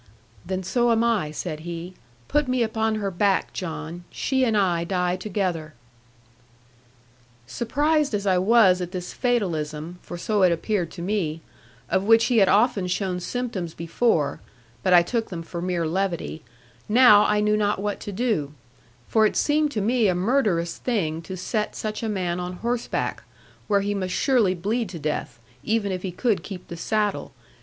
'Then so am I,' said he: 'put me upon her back, John; she and I die together.' Surprised as I was at this fatalism (for so it appeared to me), of which he had often shown symptoms before (but I took them for mere levity), now I knew not what to do; for it seemed to me a murderous thing to set such a man on horseback; where he must surely bleed to death, even if he could keep the saddle.